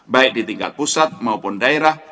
baik di tingkat pusat maupun daerah